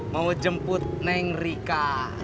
mau jemput neng rika